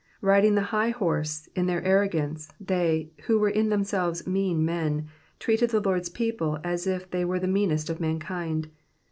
Riding the high horse, in their arrogance, they, who were in themselres mean men, treated the Lord*s people as if they were the meanest of mankind.